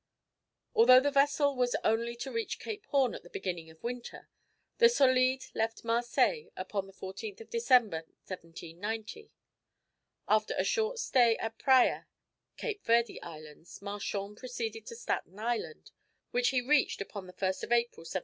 Although the vessel was only to reach Cape Horn at the beginning of winter, the Solide left Marseilles upon the 14th of December, 1790. After a short stay at Praya, Cape Verde Islands, Marchand proceeded to Staten Island, which he reached upon the 1st of April, 1791.